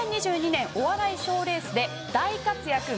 ２０２２年お笑い賞レースで大活躍